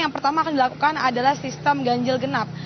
pertama yang dilakukan adalah sistem ganjil genap